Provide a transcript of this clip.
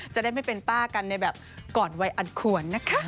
จะได้ไม่เป็นป้ากันในแบบก่อนวัยอันควรนะคะ